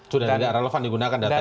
sudah relevan digunakan data itu ya